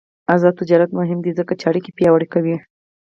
آزاد تجارت مهم دی ځکه چې اړیکې پیاوړې کوي.